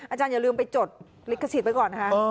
อาจารย์อย่าลืมไปจดลิขสิทธิ์ไปก่อนนะคะ